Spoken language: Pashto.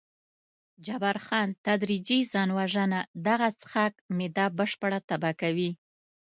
جبار خان: تدریجي ځان وژنه، دغه څښاک معده بشپړه تباه کوي.